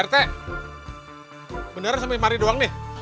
rt beneran sampe mari doang nih